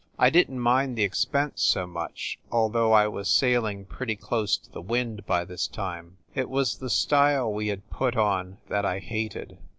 I didn t mind the expense so much, although I was sailing pretty close to the wind by this time. It was the style we had put on that I hated.